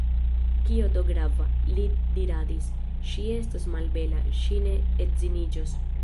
Kio do grava, li diradis, ŝi estos malbela, ŝi ne edziniĝos!